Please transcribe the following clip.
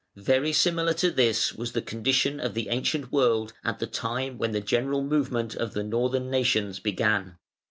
Very similar to this was the condition of the ancient world at the time when the general movement of the Northern nations began.